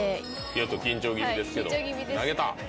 ちょっと緊張気味ですけど投げた！